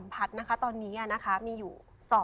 จนดีนะคะตอนนี้มีอยู่๒